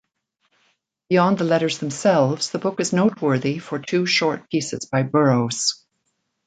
Beyond the letters themselves, the book is noteworthy for two short pieces by Burroughs.